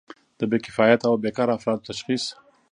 د بې کفایته او بیکاره افرادو تشخیص.